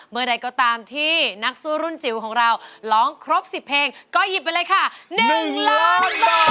เมื่อใดก็ตามที่นักสู้รุ่นจิ๋วของเราร้องครบ๑๐เพลงก็หยิบไปเลยค่ะ๑ล้านบาท